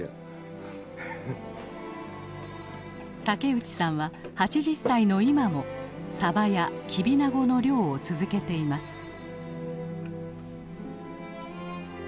竹内さんは８０歳の今もさばやキビナゴの漁を続けています。